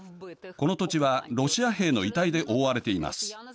この土地はロシア兵の遺体で覆われています。